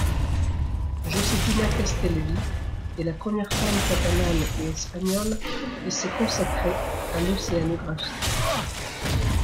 Josefina Castellví est la première femme catalane et espagnole qui s’est consacrée à l'océanographie.